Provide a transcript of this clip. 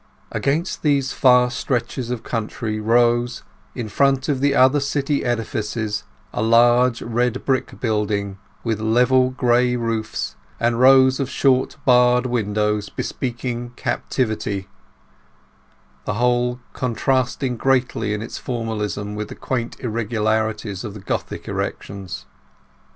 Against these far stretches of country rose, in front of the other city edifices, a large red brick building, with level gray roofs, and rows of short barred windows bespeaking captivity, the whole contrasting greatly by its formalism with the quaint irregularities of the Gothic erections.